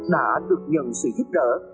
đã được nhận sự giúp đỡ